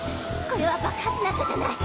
これは爆発なんかじゃない！